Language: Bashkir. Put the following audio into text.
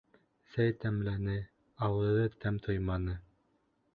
Сәй тәмләне, ауыҙы тәм тойманы.